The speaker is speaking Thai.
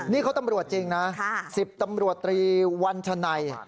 นี่เขาตำรวจจริงนะ๑๐ตำรวจตรีวัญชนัย